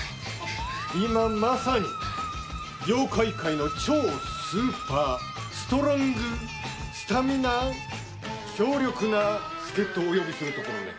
今まさに妖怪界の超スーパーストロングスタミナ強力な助っ人をお呼びするところね。